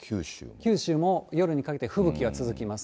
九州も夜にかけて吹雪が続きます。